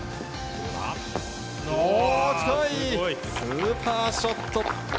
スーパーショット！